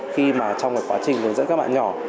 khi mà trong cái quá trình hướng dẫn các bạn nhỏ